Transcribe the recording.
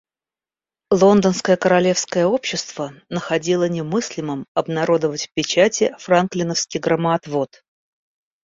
Лондонское Королевское общество находило немыслимым обнародовать в печати Франклиновский громоотвод.